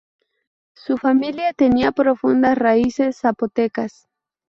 Su familia tenía profundas raíces zapotecas.